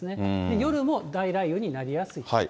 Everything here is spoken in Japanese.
夜も大雷雨になりやすいと。